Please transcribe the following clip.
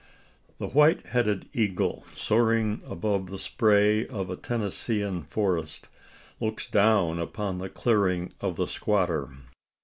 THE SQUATTER'S CLEARING. The white headed eagle, soaring above the spray of a Tennessean forest, looks down upon the clearing of the squatter.